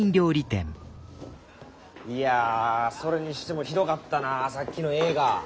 いやそれにしてもひどかったなさっきの映画。